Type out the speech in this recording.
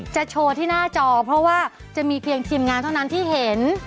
โชว์ที่หน้าจอเพราะว่าจะมีเพียงทีมงานเท่านั้นที่เห็น